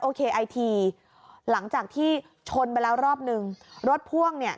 โอเคไอทีหลังจากที่ชนไปแล้วรอบนึงรถพ่วงเนี่ย